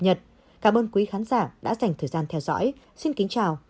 nhật cảm ơn quý khán giả đã dành thời gian theo dõi xin kính chào và hẹn gặp lại